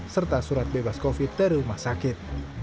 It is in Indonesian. serta surat bebas covid dari rumah sakit